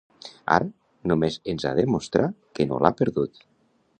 Ara, només ens ha de mostrar que no l'ha perdut.